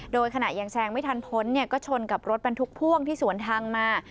โดยขณะยังแซงไม่ทันพ้นก็ชนกับรถบรรทุกพ่วงที่สวนทางมา